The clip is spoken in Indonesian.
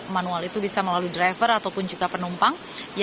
manual itu bisa melalui driver ataupun juga penumpang